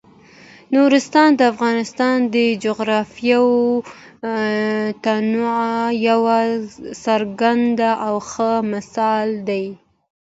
نورستان د افغانستان د جغرافیوي تنوع یو څرګند او ښه مثال دی.